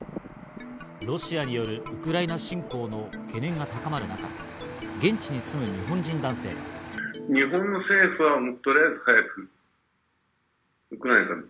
ロシアによるウクライナ侵攻の懸念が高まる中、現地に住む日本人男性は。